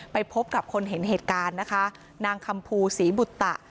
ไปพบกับคนเห็นเหตุการณ์นะคะนางคำภูศรีบุตตะ